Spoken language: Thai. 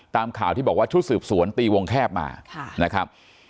ตามข่าวที่บอกว่าชุดสืบสวนตีวงแคบมานะครับ